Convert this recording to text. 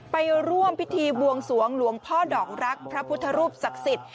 ไปร่วมพิธีบวงสวงหลวงพ่อดอกรักพระพุทธรูปศักดิ์สิทธิ์